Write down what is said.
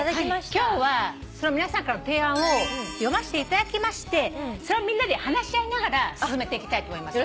今日は皆さんからの提案を読ましていただきましてそれをみんなで話し合いながら進めていきたいと思います。